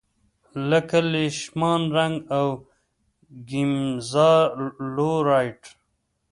لکه لیشمان رنګ او ګیمزا لو رایټ.